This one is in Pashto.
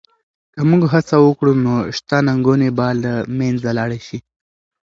که موږ هڅه وکړو نو شته ننګونې به له منځه لاړې شي.